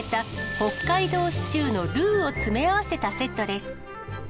北海道シチューのルーを詰め合わせたセットです。